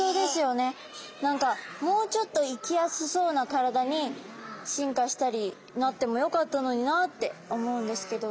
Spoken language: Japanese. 何かもうちょっと生きやすそうな体に進化したりなってもよかったのになって思うんですけど。